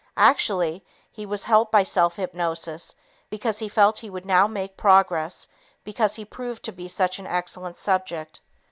Actually, he was helped by self hypnosis because he felt he would now make progress because he proved to be such an excellent subject.